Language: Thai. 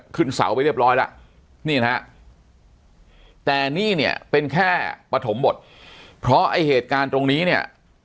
ขึ้นเสาไปเรียบร้อยแล้วนี่นะฮะแต่นี่เนี่ยเป็นแค่ปฐมบทเพราะไอ้เหตุการณ์ตรงนี้เนี่ย